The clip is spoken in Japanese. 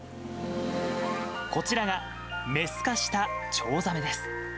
こちらがメス化したチョウザメです。